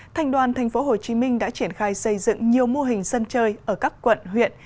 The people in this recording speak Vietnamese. thành đoàn tp hcm đã triển khai xây dựng nhiều mô hình sân chơi ở các quận huyện